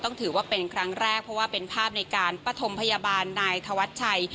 ถือว่าเป็นครั้งแรกเพราะว่าเป็นภาพในการปฐมพยาบาลนายธวัชชัย